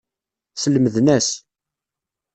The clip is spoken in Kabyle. Slemden-as.